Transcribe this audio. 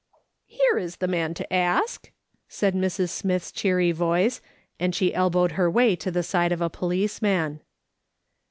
" Here is the man to ask," said Mrs. Smith's cheery voice, and she elbowed her way to the side of a policeman.